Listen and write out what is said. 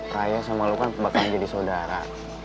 ray nya sama lo kan bakalan jadi saudara